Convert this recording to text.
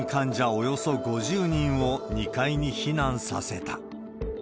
およそ５０人を２階に避難させた。